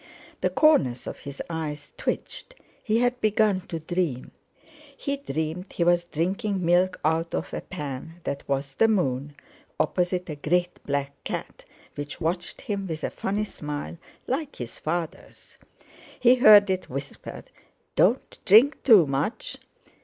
The corners of his eyes twitched—he had begun to dream. He dreamed he was drinking milk out of a pan that was the moon, opposite a great black cat which watched him with a funny smile like his father's. He heard it whisper: "Don't drink too much!"